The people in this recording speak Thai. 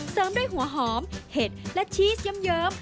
เสริมด้วยหัวหอมเห็ดและชีสเยี่ยม